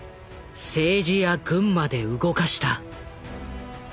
政治や軍まで動かした。